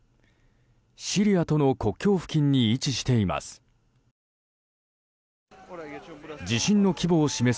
シリアとの国境付近に位置しています。